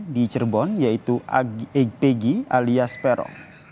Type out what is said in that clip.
di cerbon yaitu egy peggy alias pero